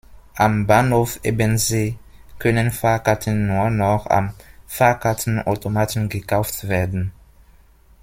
Am Bahnhof Ebensee können Fahrkarten nur noch am Fahrkartenautomaten gekauft werden.